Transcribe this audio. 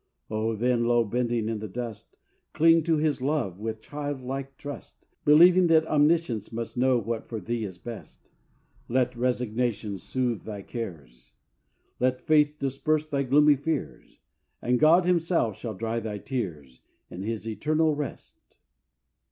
O! then, low bending in the dust, Cling to His LOVE, with child like trust, Believing that Omniscience must Know what for thee is best; Let resignation soothe thy cares; Let faith disperse thy gloomy fears; And God Himself shall dry thy tears In His eternal rest.